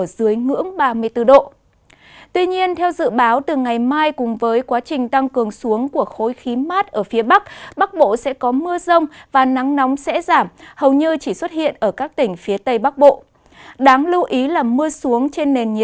xin chào và hẹn gặp lại